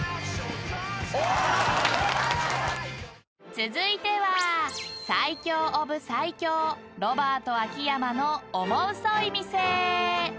［続いては最強・オブ・最強ロバート秋山のオモウソい店］